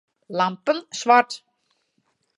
Lampen swart.